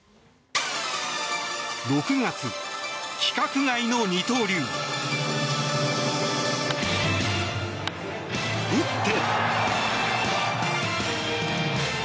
６月、規格外の二刀流！打って。